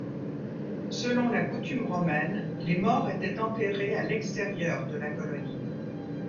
Selon la coutume romaine, les morts étaient enterrés à l'extérieur de la colonie.